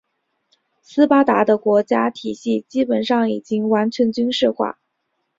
斯巴达的国家体系基本上已完全军事化。